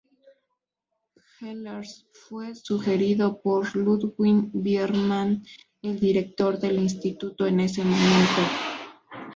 Ehlers fue sugerido por Ludwig Biermann, el director del instituto en ese momento.